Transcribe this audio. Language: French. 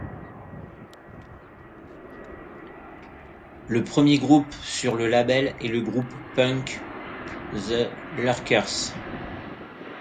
Le premier groupe sur le label est le groupe punk The Lurkers.